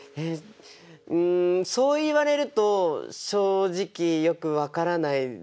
うんそう言われると正直よく分からないですね。